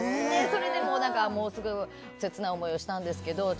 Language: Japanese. それでもう何かすごい切ない思いをしたんですけど。